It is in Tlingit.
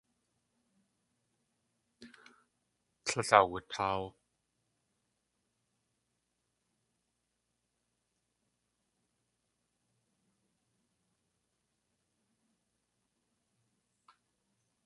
Tlél awutáaw.